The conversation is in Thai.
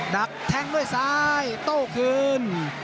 ดักแทงด้วยซ้ายโต้คืน